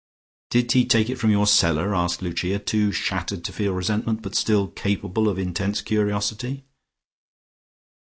"Did he take it from your cellar?" asked Lucia, too shattered to feel resentment, but still capable of intense curiosity.